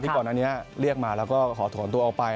ก่อนอันนี้เรียกมาแล้วก็ขอถอนตัวออกไป